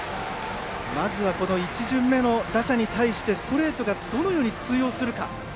まずは１巡目の打者に対してストレートがどのように通用するか